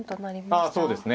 ああそうですね。